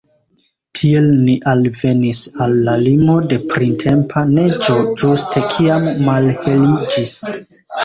Tiel ni alvenis al la limo de printempa neĝo, ĝuste kiam malheliĝis.